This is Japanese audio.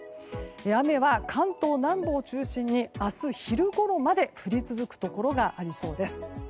雨は関東南部を中心に明日昼ごろまで降り続くところがありそうです。